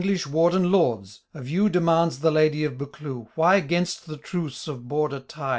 Ye English warden lords, of you Demands the Ladye of Buccleuch, Why, 'gainst the truce of Border tide.